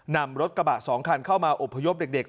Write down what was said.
นำรถกระบะ๒คันเข้ามาอบพยพเด็ก